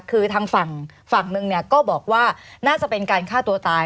คือทางฝั่งหนึ่งก็บอกว่าน่าจะเป็นการฆ่าตัวตาย